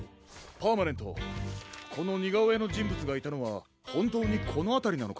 パーマネントこのにがおえのじんぶつがいたのはほんとうにこのあたりなのか？